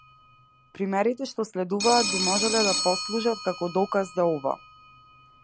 Примерите што следуваат би можеле да послужат како доказ за ова.